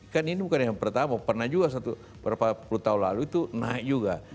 kan ini bukan yang pertama pernah juga satu berapa puluh tahun lalu itu naik juga